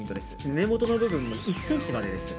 根本の部分の１ｃｍまでです。